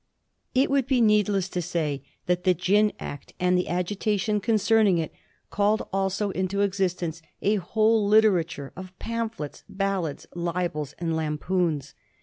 It would be needless to say that the Gin Act and the agitation concerning it called also into existence a whole literature of pamphlets, ballads, libels, and lampoons.